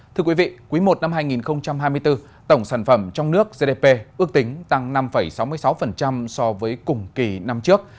thưa quý vị quý i năm hai nghìn hai mươi bốn tổng sản phẩm trong nước gdp ước tính tăng năm sáu mươi sáu so với cùng kỳ năm trước